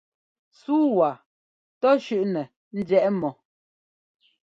Súu waa tɔ́ shʉ́ʼnɛ njiɛʼ mɔ.